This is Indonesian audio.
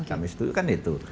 kami setujukan itu